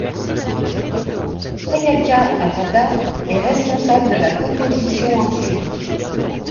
Sayaka Harada est responsable de la composition en série.